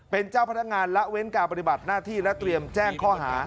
เป็นเจ้าพนักงานละเว้นการปฏิบัติหน้าที่และเตรียมแจ้งข้อหา